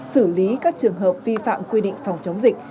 xử lý các trường hợp vi phạm quy định phòng chống dịch